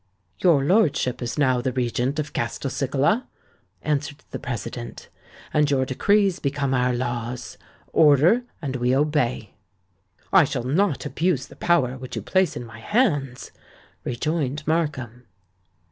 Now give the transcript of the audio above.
"Your lordship is now the Regent of Castelcicala," answered the President; "and your decrees become our laws. Order—and we obey." "I shall not abuse the power which you place in my hands," rejoined Markham.